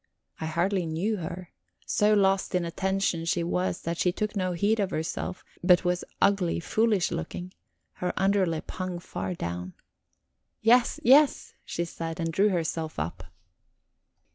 I hardly knew her. So lost in attention she was that she took no heed of herself, but was ugly, foolish looking; her underlip hung far down. "Yes, yes," she said, and drew herself up.